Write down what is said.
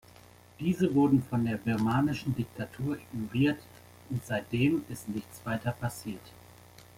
Diese wurde von der birmanischen Diktatur ignoriert, und seitdem ist nichts weiter passiert.